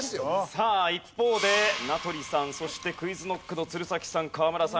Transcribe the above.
さあ一方で名取さんそしてＱｕｉｚＫｎｏｃｋの鶴崎さん河村さん